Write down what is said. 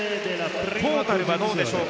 トータルはどうでしょうか。